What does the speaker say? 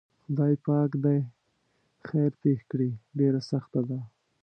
خدای پاک دې خیر پېښ کړي ډېره سخته ده.